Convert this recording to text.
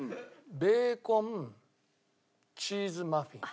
ベーコンチーズマフィン。